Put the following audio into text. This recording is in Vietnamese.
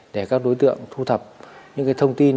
để các đối tượng thu thập những thông tin